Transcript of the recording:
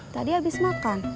tadi abis makan